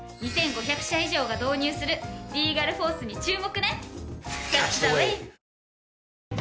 ２５００社以上が導入するリーガルフォースに注目ね！